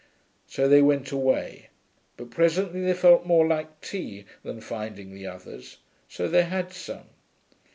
So they went away, but presently they felt more like tea than finding the others, so they had some.